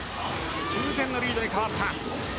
９点のリードに変わった。